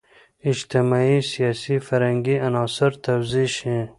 اجتماعي، سیاسي، فرهنګي عناصر توضیح شي.